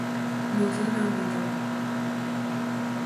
Mòrzô nà mòrzô.